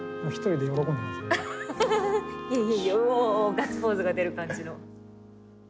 ガッツポーズが出る感じの。